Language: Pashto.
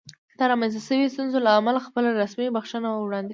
د رامنځته شوې ستونزې له امله خپله رسمي بښنه وړاندې کوم.